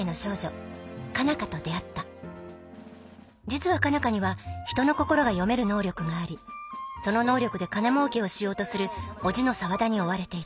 実は佳奈花には人の心が読める能力がありその能力で金もうけをしようとする叔父の沢田に追われていた。